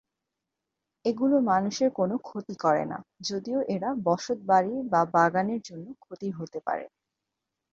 এগুলো মানুষের কোন ক্ষতি করে না, যদিও এরা বসত বাড়ির বা বাগানের জন্য ক্ষতির হতে পারে।